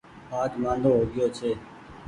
آج مآندو هوگيو ڇون ۔